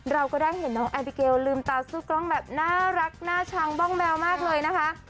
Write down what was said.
เราก็ได้เห็นน้องแอบิเกลลืมตาสู้กล้องแบบน่ารักน่าชังบ้องแมวมากเลยนะคะ